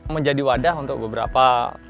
menjadi wadah untuk beberapa